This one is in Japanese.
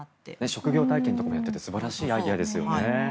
職業体験とかもやっていて素晴らしいアイデアですよね。